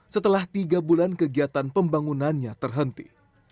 setelah tiga bulan kegiatan pembangunannya terhenti